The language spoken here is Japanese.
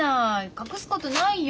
隠すことないよ。